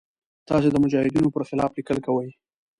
تاسې د مجاهدینو پر خلاف لیکل کوئ.